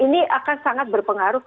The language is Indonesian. ini akan sangat berpengaruh